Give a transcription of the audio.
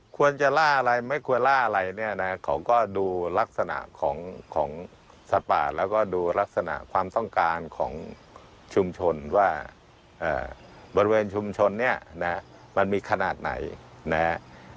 ควรจะล่าอะไรไม่ควรล่าอะไรเนี่ยนะเขาก็ดูลักษณะของสัตว์ป่าแล้วก็ดูลักษณะความต้องการของชุมชนว่าบริเวณชุมชนเนี่ยนะมันมีขนาดไหนนะฮะ